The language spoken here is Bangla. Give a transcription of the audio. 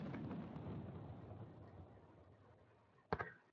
তিনি খলিফা উসমান ইবনে আফফানের চাচাত ভাই ছিলেন।